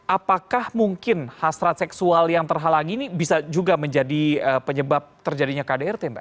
apakah mungkin hasrat seksual yang terhalangi ini bisa juga menjadi penyebab terjadinya kdrt mbak